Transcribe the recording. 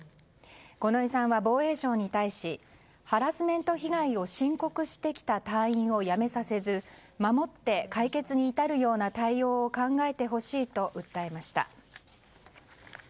五ノ井さんは防衛省に対しハラスメント被害を申告してきた隊員を辞めさせず守って解決に至るような対応を考えてほしいと訴えまし。